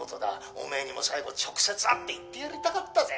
「おめえにも最後直接会って言ってやりたかったぜ！」